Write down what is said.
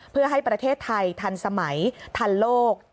เพื่อให้ประเทศไทยทันสมัยทันโลก